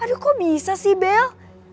aduh kok bisa sih bel